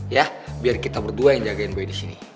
ya biar kita berdua yang jagain gue di sini